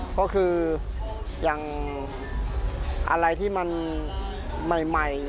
ก็คืออย่างอะไรที่มันใหม่